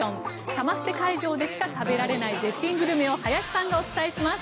サマステ会場でしか食べられない絶品グルメを林さんがお伝えします。